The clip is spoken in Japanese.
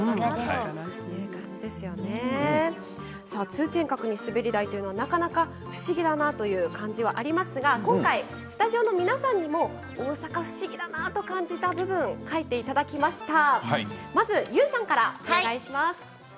通天閣に滑り台とはなかなか不思議だなという感じはありますが今回スタジオの皆さんにも大阪は不思議だなと思うことを書いていただきました。